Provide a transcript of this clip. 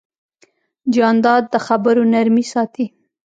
جانداد د خبرو نرمي ساتي.